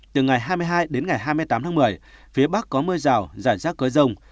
từ ngày hai mươi hai đến ngày hai mươi tám tháng một mươi phía bắc có mưa rào rải rác có rông